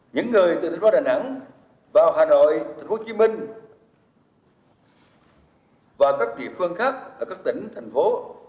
những người từ thành phố đà nẵng vào hà nội thành phố hồ chí minh và các địa phương khác ở các tỉnh thành phố